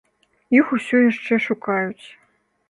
Іх усё яшчэ шукаюць.